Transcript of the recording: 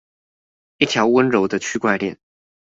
一條溫柔的區塊鍊